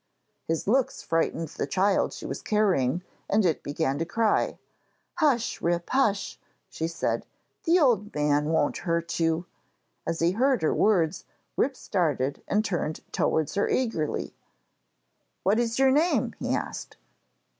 His looks frightened the child she was carrying, and it began to cry. 'Hush, Rip! hush!' she said; 'the old man won't hurt you.' As he heard her words Rip started and turned towards her eagerly. 'What is your name?' he asked.